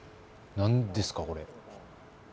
何ですか、これ？